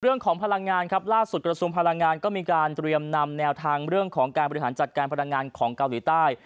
พลังงานครับล่าสุดกระทรวงพลังงานก็มีการเตรียมนำแนวทางเรื่องของการบริหารจัดการพลังงานของเกาหลีใต้